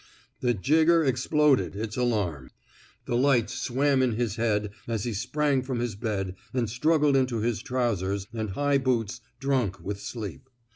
The jigger exploded its alarm. The lights swam in his head as he sprang from his bed and struggled into his trousers and high boots, drunk with sleep.